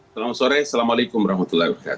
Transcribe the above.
selamat sore assalamualaikum wr wb